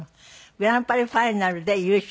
グランプリファイナルで優勝